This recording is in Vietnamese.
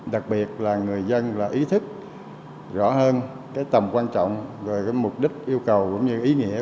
đặc biệt là người dân là ý thức rõ hơn cái tầm quan trọng rồi cái mục đích yêu cầu cũng như ý nghĩa